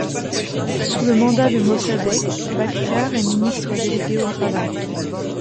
Sous le mandat de Mossadegh, Bakhtiar est ministre délégué au travail.